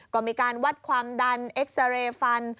ก็มีการวัดความดันเอ็กซาเรย์ฟัน